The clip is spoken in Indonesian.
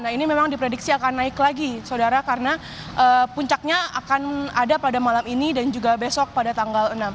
nah ini memang diprediksi akan naik lagi saudara karena puncaknya akan ada pada malam ini dan juga besok pada tanggal enam